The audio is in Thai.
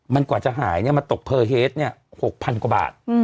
มันกว่าจะหายเนี่ยมันตกเพอเฮสเนี่ย๖๐๐๐กว่าบาท